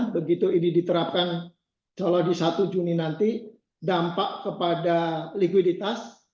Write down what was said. begitu ini diterapkan insya allah di satu juni nanti dampak kepada likuiditas